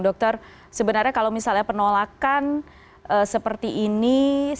dokter sebenarnya kalau misalnya penolakan seperti ini